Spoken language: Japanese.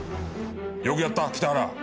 よくやった北原。